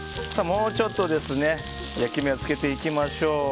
もうちょっと焼き目をつけていきましょう。